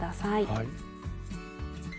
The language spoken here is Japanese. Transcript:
はい。